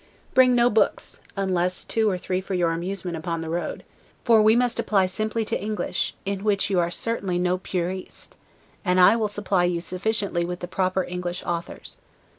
Bring no books, unless two or three for your' amusement upon the road; for we must apply simply to English, in which you are certainly no 'puriste'; and I will supply you sufficiently with the proper English authors.